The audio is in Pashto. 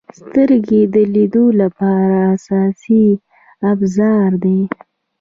• سترګې د لیدلو لپاره اساسي ابزار دي.